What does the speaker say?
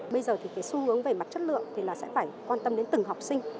bây giờ thì cái xu hướng về mặt chất lượng thì là sẽ phải quan tâm đến từng học sinh